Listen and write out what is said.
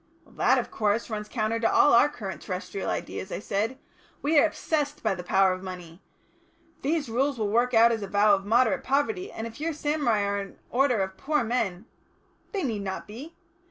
"That, of course, runs counter to all our current terrestrial ideas," I said. "We are obsessed by the power of money. These rules will work out as a vow of moderate poverty, and if your samurai are an order of poor men " "They need not be.